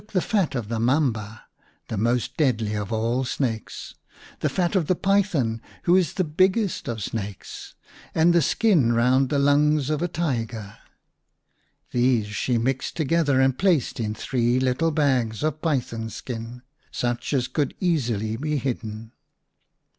54 v The Rabbit Prince the fat of the mamba, the most deadly of all snakes, the fat of the python, who is the biggest of snakes, and the skin round the lungs of the tiger. These she mixed together and placed in three little bags of python skin, such as could easily be hidden.